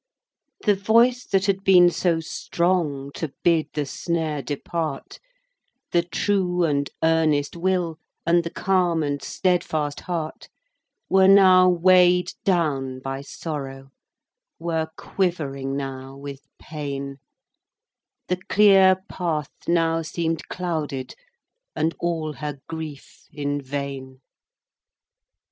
III. The voice that had been so strong To bid the snare depart, The true and earnest will, And the calm and steadfast heart, Were now weigh'd down by sorrow, Were quivering now with pain; The clear path now seem'd clouded, And all her grief in vain.